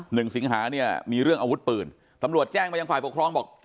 หนึ่งสิงหาเนี่ยมีเรื่องอาวุธปืนตำรวจแจ้งมายังฝ่ายปกครองบอก